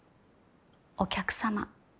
お客様。